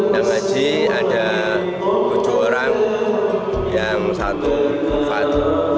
yang ngaji ada tujuh orang yang satu bufat